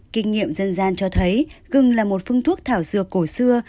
kinh nghiệm dân gian cho thấy gừng là một phương thuốc thảo dược cổ xưa